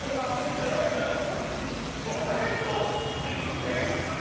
じゃあハリウッド映画！